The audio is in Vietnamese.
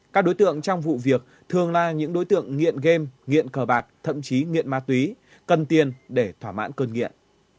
các đối tượng trong vụ việc thường là những đối tượng nghiện game nghiện cờ bạc thậm chí nghiện ma túy cần tiền để thỏa mãn cơn nghiện